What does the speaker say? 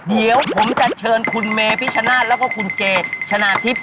เดี๋ยวผมจะเชิญคุณเมพิชชนาธิ์แล้วก็คุณเจชนะทิพย์